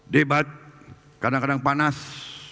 debat kadang kadang panas